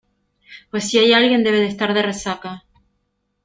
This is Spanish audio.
pues si hay alguien, debe de estar de resaca.